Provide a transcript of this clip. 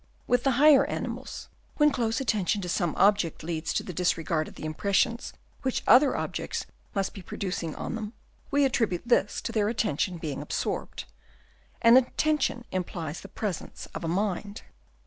With the higher animals, when close attention to some object leads to the disregard of the impressions which other objects must be producing on them, we attribute this to their attention being then absorbed ; and attention implies the presence of a mind.